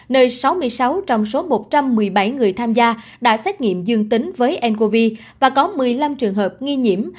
nơi sáu mươi sáu trong số một trăm một mươi bảy người tham gia đã xét nghiệm dương tính với ncov và có một mươi năm trường hợp nghi nhiễm